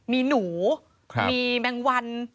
มีหนูมีแมงวัน